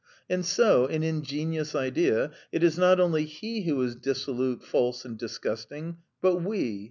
And so an ingenious idea! it is not only he who is dissolute, false, and disgusting, but we